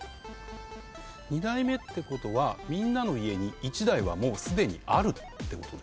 ２台目ってことはみんなの家に１台はもうすでにあるってこと？